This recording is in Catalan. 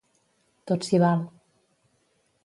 Tot s'hi val.